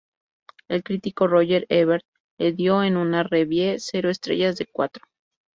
El critico Roger Ebert le dio en una review cero estrellas de cuatro.